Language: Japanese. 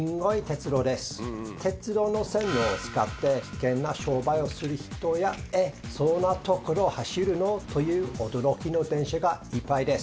鉄道の線路を使って危険な商売をする人やえっそんな所走るの？という驚きの電車がいっぱいです。